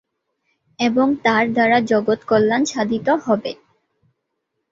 এবং তার দ্বারা জগৎ কল্যাণ সাধিত হবে।